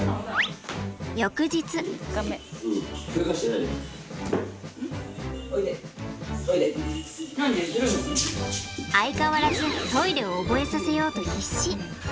翌日。相変わらずトイレを覚えさせようと必死。